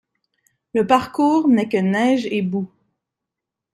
Le parcours n'est que neige et boue.